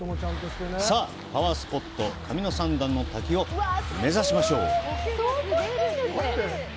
さあ、パワースポット・神の三段の滝を目指しましょう！